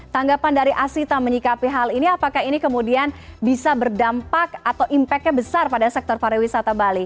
tanggapan dari asita menyikapi hal ini apakah ini kemudian bisa berdampak atau impaknya besar pada sektor para wisata bali